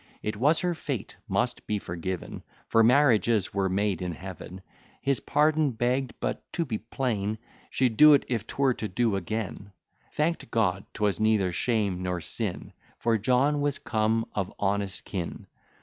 It was her fate, must be forgiven; For marriages were made in Heaven: His pardon begg'd: but, to be plain, She'd do't if 'twere to do again: Thank'd God, 'twas neither shame nor sin; For John was come of honest kin.